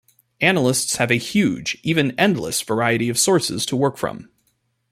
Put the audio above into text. Analysts have a huge, even endless, variety of sources to work from.